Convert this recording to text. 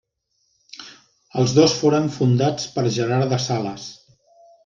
Els dos foren fundats per Gerard de Sales.